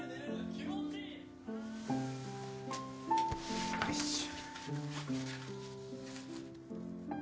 気持ちいい！よいしょ。